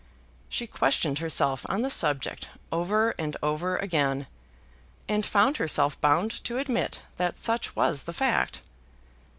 She questioned herself on the subject over and over again, and found herself bound to admit that such was the fact.